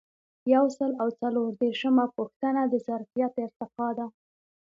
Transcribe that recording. یو سل او څلور دیرشمه پوښتنه د ظرفیت ارتقا ده.